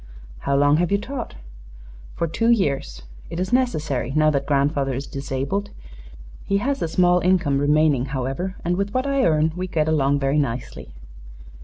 "How long have you taught?" "For two years. It is necessary, now that grandfather is disabled. He has a small income remaining, however, and with what I earn we get along very nicely."